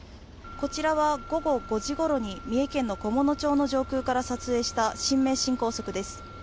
こちらは午後５時ごろに三重県の菰野町の上空から撮影した新名神高速です。